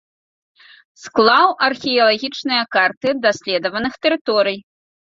Склаў археалагічныя карты даследаваных тэрыторый.